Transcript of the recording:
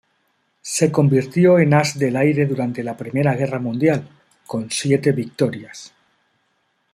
Se convirtió en as del aire durante la Primera Guerra Mundial, con siete victorias.